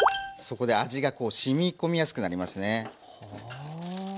そこで味がしみこみやすくなりますね。